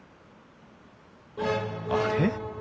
あれ？